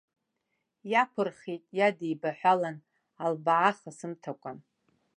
Иақәырхит иадибаҳәалан, албааха сымҭакәан.